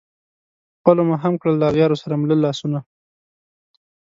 خلپو مو هم کړل له اغیارو سره مله لاسونه